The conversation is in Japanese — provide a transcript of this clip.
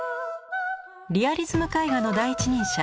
リアリズム絵画の第一人者